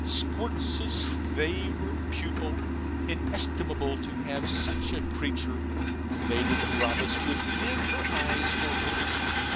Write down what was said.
'Squirtz's favourite pupil inestimable to have such a creature. Lady Carabas would give her eyes for her!